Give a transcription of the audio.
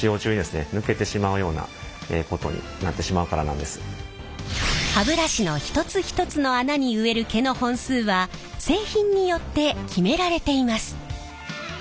なぜかと言うと歯ブラシの一つ一つの穴に植える毛の本数は製品によって決められています。